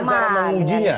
ini bagaimana cara mengujinya